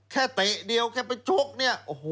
แค่แตะเดียวแค่ไปชกนี่โอ้โฮ